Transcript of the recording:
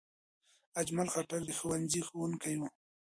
اجمل خټک د ښوونځي ښوونکی و.